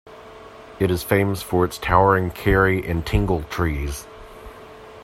It is famous for its towering Karri and Tingle trees.